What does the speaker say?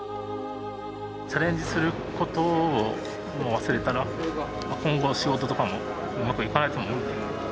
チャレンジすることを忘れたら今後仕事とかもうまくいかないと思うんで。